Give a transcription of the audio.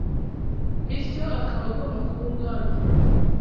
bityo akaba agomba kuba umwami